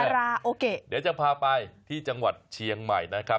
ราโอเกะเดี๋ยวจะพาไปที่จังหวัดเชียงใหม่นะครับ